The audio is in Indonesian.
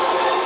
ya gue seneng